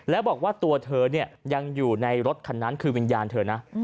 แล้วบอกว่าตัวเธอยังอยู่ในรถคันนั้นคือวิญญาณเธอนะ